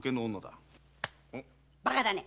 バカだね！